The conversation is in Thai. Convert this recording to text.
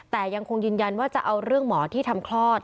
แต่ยังคงยืนยันว่าจะเอาเรื่องหมอที่ทำคลอด